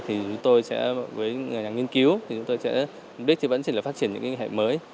thì chúng tôi sẽ với nhà nghiên cứu thì chúng tôi sẽ biết thì vẫn chỉ là phát triển những hệ mới